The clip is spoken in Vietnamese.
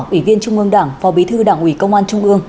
ủy viên trung ương đảng phó bí thư đảng ủy công an trung ương